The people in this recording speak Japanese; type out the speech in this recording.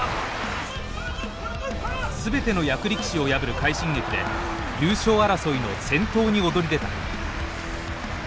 全ての役力士を破る快進撃で優勝争いの先頭に躍り出た。